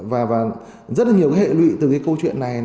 và rất là nhiều cái hệ lụy từ cái câu chuyện này